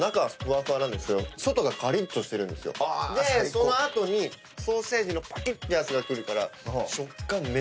その後にソーセージのパキッてやつがくるから。